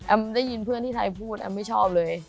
ได้ยินเพื่อนที่ไทยพูดแอมไม่ชอบเลย